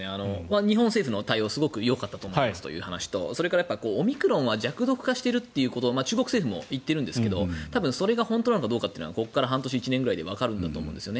日本政府の対応はよかったですという話とオミクロンは弱毒化してるって話を中国政府も言っているんですが多分それが本当なのかどうかってここから半年、１年でわかると思うんですね。